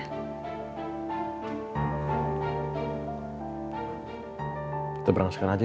kita berangkat sekarang aja yuk